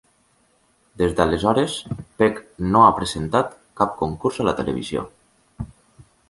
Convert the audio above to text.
Des d'aleshores, Peck no ha presentat cap concurs a la televisió.